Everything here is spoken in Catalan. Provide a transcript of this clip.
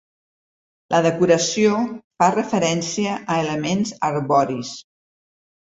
La decoració fa referència a elements arboris.